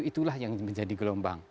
itulah yang menjadi gelombang